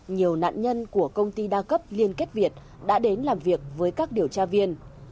nhiều nạn nhân của công ty đa cấp liên kết việt đã đến làm việc với các điều tra viên